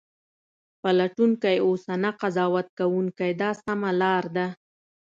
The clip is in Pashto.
پلټونکی اوسه نه قضاوت کوونکی دا سمه لار ده.